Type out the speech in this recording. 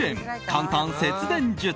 簡単節電術。